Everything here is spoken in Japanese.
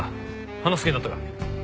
話す気になったか？